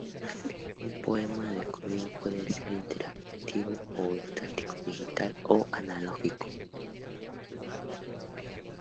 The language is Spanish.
Un poema de código puede ser interactivo o estático, digital o analógico.